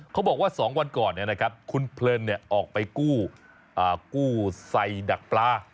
เขาบอกว่า๒วันก่อนเนี่ยนะครับคุณเพลินเนี่ยออกไปกู้ไส่ดักปลา